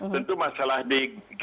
tentu masalah di g tujuh